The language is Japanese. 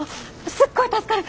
すっごい助かる！